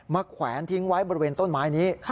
แขวนทิ้งไว้บริเวณต้นไม้นี้